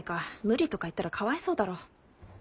無理とか言ったらかわいそうだろ。